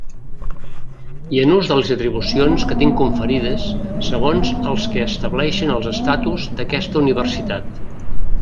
I en ús de les atribucions que tinc conferides segons els que estableixen els Estatus d'aquesta Universitat.